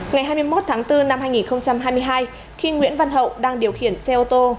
ngày hai mươi một tháng bốn năm hai nghìn hai mươi hai khi nguyễn văn hậu đang điều khiển xe ô tô